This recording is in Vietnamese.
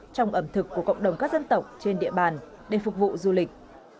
trong ẩm thực của cộng đồng các dân tộc trên địa bàn để phục vụ du lịch